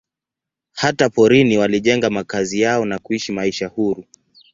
Hapa porini walijenga makazi yao na kuishi maisha huru.